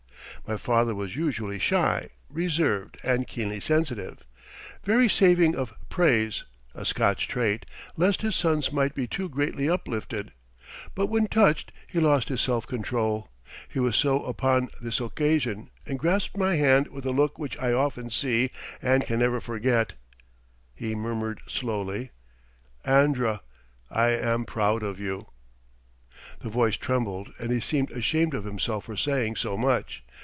My father was usually shy, reserved, and keenly sensitive, very saving of praise (a Scotch trait) lest his sons might be too greatly uplifted; but when touched he lost his self control. He was so upon this occasion, and grasped my hand with a look which I often see and can never forget. He murmured slowly: "Andra, I am proud of you." The voice trembled and he seemed ashamed of himself for saying so much.